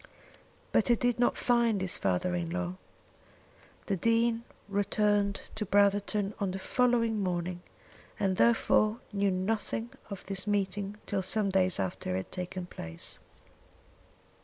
But he did not find his father in law. The Dean returned to Brotherton on the following morning, and therefore knew nothing of this meeting till some days after it had taken place.